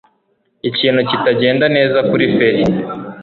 Ikintu kitagenda neza kuri feri.